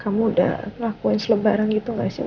kamu udah lakuin selebaran gitu gak sih mas